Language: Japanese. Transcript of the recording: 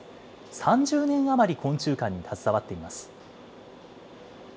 ３０年余り昆虫館に携わっています。